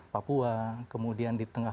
papua kemudian di tengah